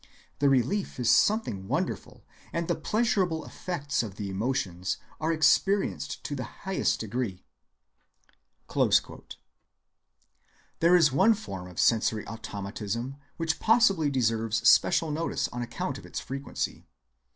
The relief is something wonderful, and the pleasurable effects of the emotions are experienced to the highest degree." There is one form of sensory automatism which possibly deserves special notice on account of its frequency.